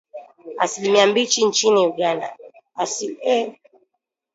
Asilimia mbili nchini Uganda